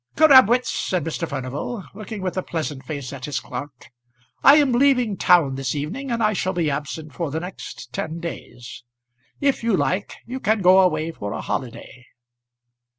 "Crabwitz," said Mr. Furnival, looking with a pleasant face at his clerk, "I am leaving town this evening, and I shall be absent for the next ten days. If you like you can go away for a holiday."